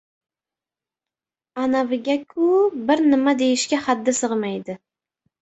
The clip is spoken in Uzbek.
Anaviga-ku bir nima deyishga haddi sig‘maydi.